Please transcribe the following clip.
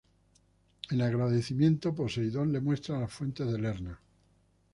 En agradecimiento Poseidón le muestra las fuentes de Lerna.